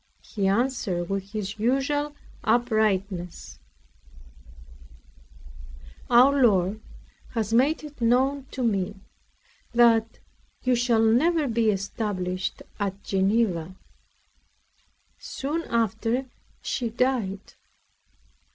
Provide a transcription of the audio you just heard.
He answered with his usual uprightness, "Our Lord has made it known to me that you shall never be established at Geneva." Soon after she died.